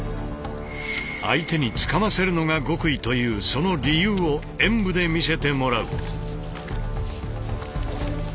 相手につかませるのが極意というその理由を演武で見せてもらう。